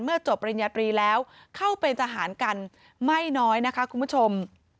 จบปริญญาตรีแล้วเข้าเป็นทหารกันไม่น้อยนะคะคุณผู้ชม